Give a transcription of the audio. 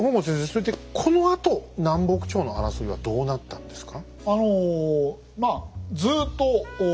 それでこのあと南北朝の争いはどうなったんですか？